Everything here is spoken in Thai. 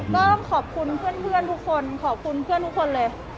ต้องขอบคุณเพื่อนทุกคนขอบคุณเพื่อนทุกคนเลย